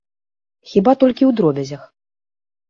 Хіба толькі ў дробязях.